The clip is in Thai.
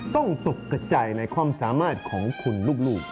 ตกกระจายในความสามารถของคุณลูก